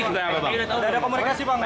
sudah ada komunikasi bang